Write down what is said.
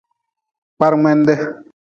Kparmngende.